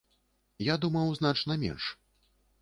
Я думаў, значна менш.